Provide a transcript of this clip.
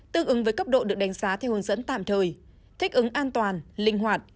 tương ứng với cấp độ được đánh giá theo hướng dẫn tạm thời thích ứng an toàn linh hoạt